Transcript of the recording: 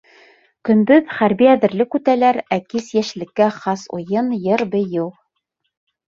Көндөҙ хәрби әҙерлек үтәләр, ә кис — йәшлеккә хас уйын, йыр-бейеү.